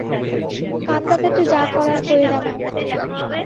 কান্দােকাটি যা করার কইরা নেও।